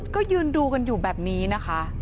ก็ยืนดูกันอยู่แบบนี้นะคะ